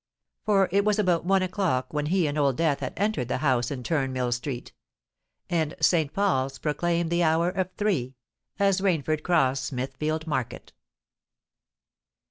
For it was about one o'clock when he and Old Death had entered the house in Turnmill Street; and Saint Paul's proclaimed the hour of three as Rainford crossed Smithfield Market.